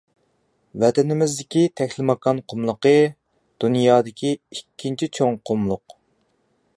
ۋەتىنىمىزدىكى تەكلىماكان قۇملۇقى — دۇنيادىكى ئىككىنچى چوڭ قۇملۇق.